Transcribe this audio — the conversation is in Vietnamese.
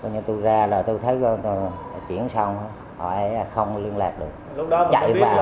nhưng tôi ra là tôi thấy chuyển xong họ ấy không liên lạc được